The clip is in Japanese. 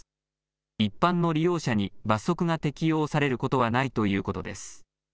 一般の利用者に罰則が適用されることはないということです。